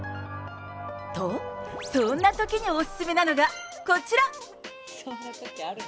と、そんなときにお勧めなのが、こちら。